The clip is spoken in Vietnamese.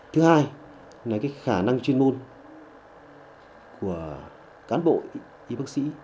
thứ hai là cái khả năng chuyên môn của cán bộ y bác sĩ